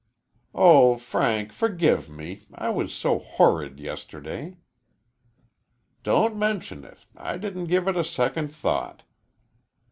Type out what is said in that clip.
"Oh, Frank, forgive me I was so horrid yesterday." "Don't mention it I didn't give it a second thought."